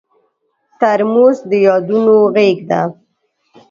ترموز د یادونو غېږ ده.